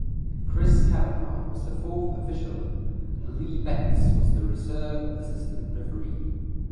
Chris Kavanagh was the fourth official and Lee Betts was the reserve assistant referee.